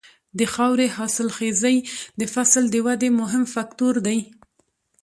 د خاورې حاصلخېزي د فصل د ودې مهم فکتور دی.